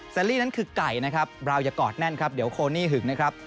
ลี่นั้นคือไก่นะครับเราอย่ากอดแน่นครับเดี๋ยวโคนนี่หึกนะครับ